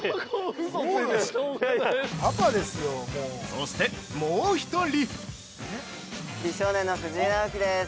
◆そして、もう１人。